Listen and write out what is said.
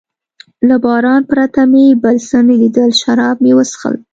له باران پرته مې بل څه نه لیدل، شراب مې و څښل.